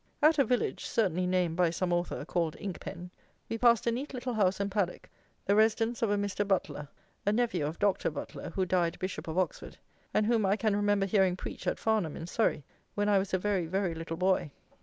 At a village (certainly named by some author) called Inkpen, we passed a neat little house and paddock, the residence of a Mr. Butler, a nephew of Dr. Butler, who died Bishop of Oxford, and whom I can remember hearing preach at Farnham in Surrey when I was a very very little boy.